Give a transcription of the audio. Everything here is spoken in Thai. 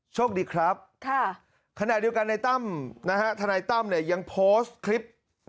โชคดีครับขณะเดียวกันในตั้มนะฮะทนายตั้มเนี่ยยังโพสต์คลิป